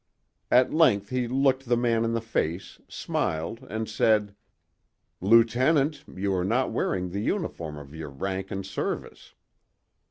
At length he looked the man in the face, smiled, and said: "Lieutenant, you are not wearing the uniform of your rank and service."